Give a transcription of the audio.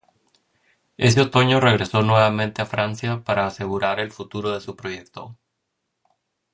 Ese otoño regresó nuevamente a Francia para asegurar el futuro de su proyecto.